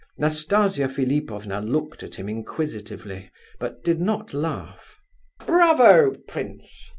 Nastasia Philipovna looked at him inquisitively, but did not laugh. "Bravo, prince!"